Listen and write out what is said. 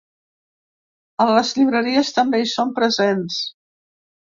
A les llibreries també hi són presents.